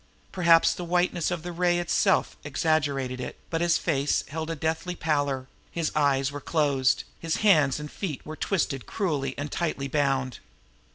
Perhaps the whiteness of the ray itself exaggerated it, but his face held a deathly pallor; his eyes were closed; and his hands and feet were twisted cruelly and tightly bound.